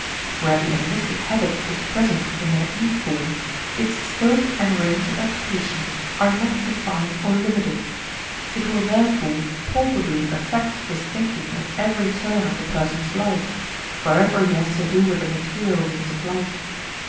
Where the animistic habit is present in the naive form, its scope and range of application are not defined or limited. It will therefore palpably affect his thinking at every turn of the person's life wherever he has to do with the material means of life.